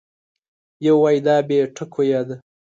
یو وای دا بې ټکو یا ده